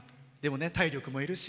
体力もいるし。